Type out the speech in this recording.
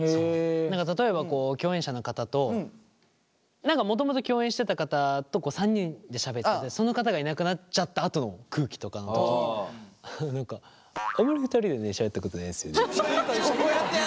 例えば共演者の方と何かもともと共演してた方と３人でしゃべっててその方がいなくなっちゃったあとの空気とかの時に何かあまり２人でしゃべったことないですよね。